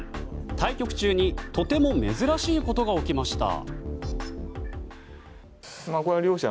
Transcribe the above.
対局中にとても珍しいことが起きました。